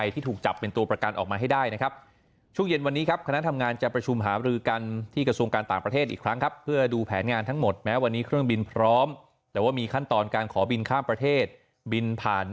ถือว่าเป็นเรื่องที่สำคัญที่สุด